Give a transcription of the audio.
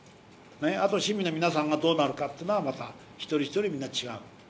あとは市民の皆さんがどうなるかっていうのはまた一人一人みんな違う。